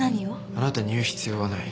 あなたに言う必要はない。